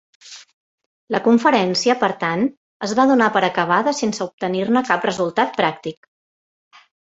La conferència, per tant, es va donar per acabada sense obtenir-ne cap resultat pràctic.